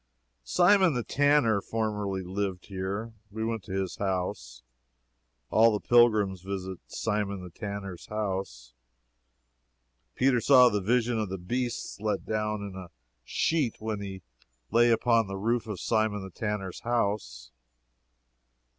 ] Simon the Tanner formerly lived here. We went to his house. All the pilgrims visit Simon the Tanner's house. Peter saw the vision of the beasts let down in a sheet when he lay upon the roof of Simon the Tanner's house.